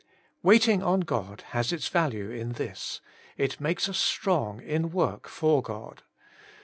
Waiting on God has its value in this: it makes us strong in work for God.